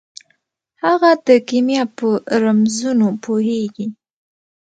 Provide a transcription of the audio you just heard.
هغه د کیمیا په رمزونو پوهیږي.